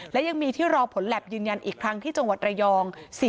และยังมีที่รอผลแล็บยืนยันอีกครั้งที่จังหวัดระยอง